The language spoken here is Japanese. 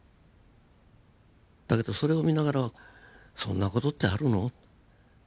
だけどそれを見ながらそんな事ってあるの？